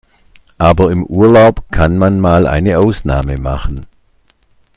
Aber im Urlaub kann man mal eine Ausnahme machen.